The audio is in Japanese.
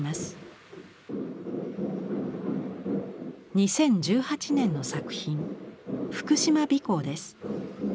２０１８年の作品「福島尾行」です。